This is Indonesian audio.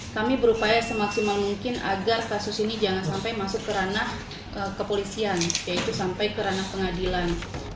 kami berupaya semaksimal mungkin agar kasus ini jangan sampai masuk ke ranah kepolisian yaitu sampai ke ranah pengadilan